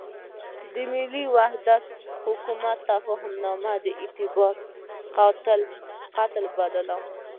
د ملي وحدت حکومت تفاهمنامه د اعتبار قتل بولم.